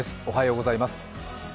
おはようございます。